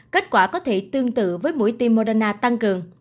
kết quả có thể tương tự với mũi tim moderna tăng cường